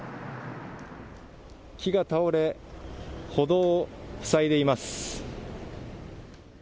木が倒れ、歩道を塞いでいます。